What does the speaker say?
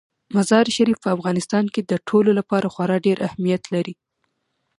مزارشریف په افغانستان کې د ټولو لپاره خورا ډېر اهمیت لري.